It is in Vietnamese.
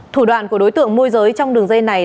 thủ đoạn của đối tượng môi giới trong đường dây này